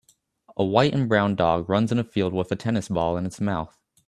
A white and brown dog runs in a field with a tennis ball in its mouth